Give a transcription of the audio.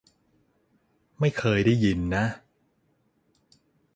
ไม่เคยได้ยินนะ